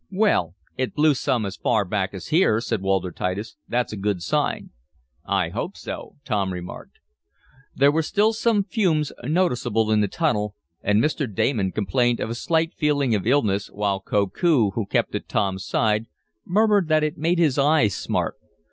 "Well, it blew some as far back as here," said Walter Titus. "That's a good sign." "I hope so," Tom remarked. There were still some fumes noticeable in the tunnel, and Mr. Damon complained of a slight feeling of illness, while Koku, who kept at Tom's side, murmured that it made his eyes smart.